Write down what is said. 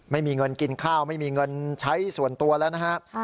ไม่มีเงินกินข้าวไม่มีเงินใช้ส่วนตัวแล้วนะครับ